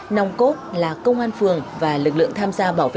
nòng cốt là công an phường và lực lượng tham gia bảo vệ